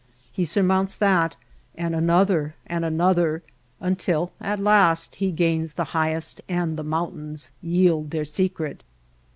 He surmounts that, and another and another, until at last he gains the highest and the mountains yield their secret.